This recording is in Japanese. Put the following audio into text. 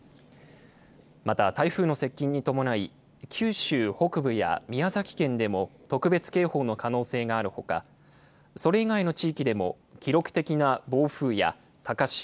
また台風の接近に伴い、九州北部や宮崎県でも特別警報の可能性があるほか、それ以外の地域でも、記録的な暴風や高潮、